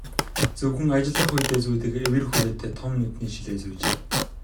Зөвхөн ажиллах үедээ зүүдэг эвэр хүрээтэй том нүдний шилээ зүүжээ.